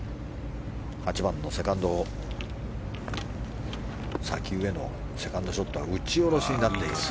８番のセカンド砂丘へのセカンドショットは打ち下ろしになっています。